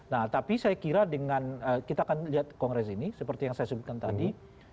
nah tapi saya kira dengan kita akan lihat kongres ini seperti yang saya sebutkan tadi